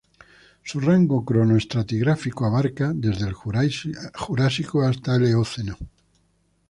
Su rango cronoestratigráfico abarca desde el Jurásico hasta la Eoceno.